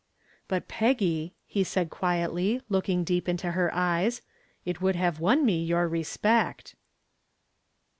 "But, Peggy," he said quietly, looking deep into her eyes, "it would have won me your respect."